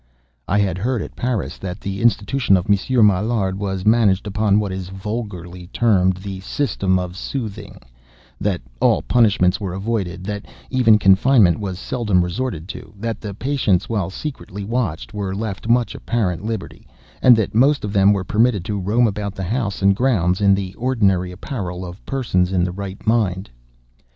I had heard, at Paris, that the institution of Monsieur Maillard was managed upon what is vulgarly termed the "system of soothing"—that all punishments were avoided—that even confinement was seldom resorted to—that the patients, while secretly watched, were left much apparent liberty, and that most of them were permitted to roam about the house and grounds in the ordinary apparel of persons in right mind.